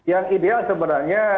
yang ideal sebenarnya